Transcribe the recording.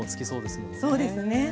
そうですね